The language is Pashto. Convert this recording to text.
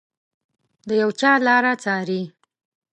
د یو چا لاره څاري